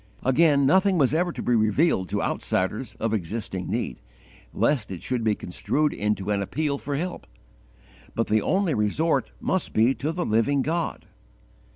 Again, nothing was ever to be revealed to outsiders of existing need, lest it should be construed into an appeal for help; but the only resort must be to the living God.